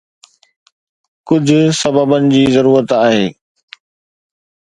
ڪجهه سببن جي ضرورت آهي